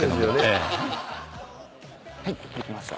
はいできました。